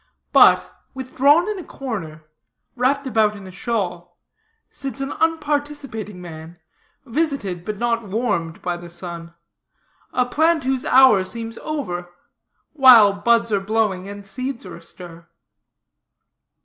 But, withdrawn in a corner, wrapped about in a shawl, sits an unparticipating man, visited, but not warmed, by the sun a plant whose hour seems over, while buds are blowing and seeds are astir.